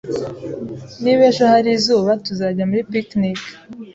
Niba ejo hari izuba, tuzajya muri picnic.